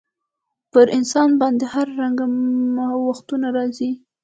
پر انسان باندي هر رنګه وختونه راځي.